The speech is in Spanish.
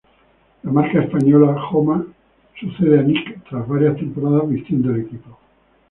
La marca española Joma sucede a Nike tras varias temporadas vistiendo al equipo.